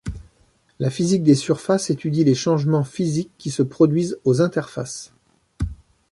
La physique des surfaces étudie les changements physiques qui se produisent aux interfaces.